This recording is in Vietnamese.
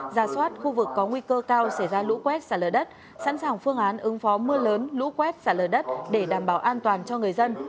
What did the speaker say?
ra soát khu vực có nguy cơ cao xảy ra lũ quét xả lở đất sẵn sàng phương án ứng phó mưa lớn lũ quét xả lở đất để đảm bảo an toàn cho người dân